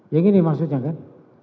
yang ini maksudnya kan